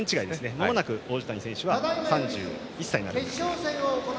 まもなく王子谷選手は３１歳になります。